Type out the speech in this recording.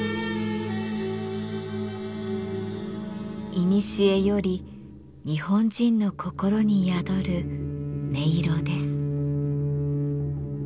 いにしえより日本人の心に宿る音色です。